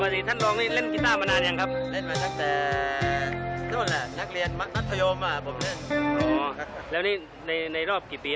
นี่พึ่งซ้อมกันเมื่อกี้เนี่ย